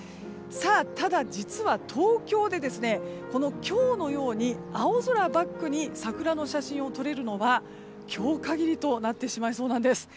ただ、実は東京で今日のように青空バックに桜の写真を撮れるのは今日限りとなってしまいそうです。